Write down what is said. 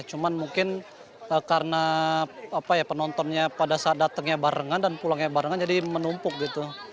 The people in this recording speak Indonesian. cuman mungkin karena penontonnya pada saat datangnya barengan dan pulangnya barengan jadi menumpuk gitu